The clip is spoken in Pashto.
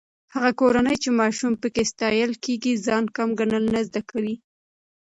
هغه کورونه چې ماشومان پکې ستايل کېږي، ځان کم ګڼل نه زده کوي.